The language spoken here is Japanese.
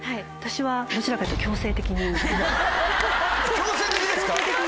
強制的ですか？